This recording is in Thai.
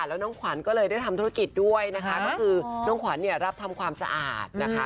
แล้วน้องขวัญก็เลยได้ทำธุรกิจด้วยนะคะก็คือน้องขวัญเนี่ยรับทำความสะอาดนะคะ